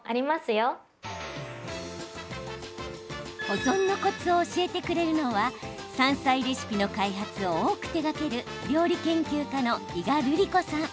保存のコツを教えてくれるのは山菜レシピの開発を多く手がける料理研究家の伊賀るり子さん。